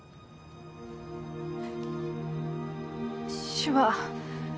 手話。